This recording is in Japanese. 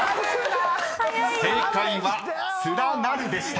［正解は「つらなる」でした］